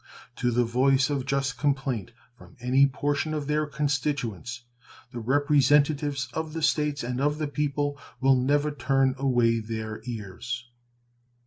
To the voice of just complaint from any portion of their constituents the representatives of the States and of the people will never turn away their ears.